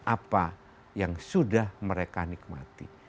apa yang sudah mereka nikmati